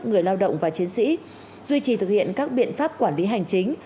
người lao động và chiến sĩ duy trì thực hiện các biện pháp quản lý hành chính